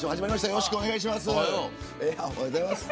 よろしくお願いします。